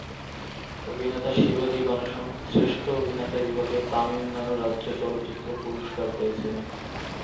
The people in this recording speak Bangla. অভিনেতা শিবাজি গণেশন শ্রেষ্ঠ অভিনেতা বিভাগে তামিলনাড়ু রাজ্য চলচ্চিত্র পুরস্কার পেয়েছিলেন।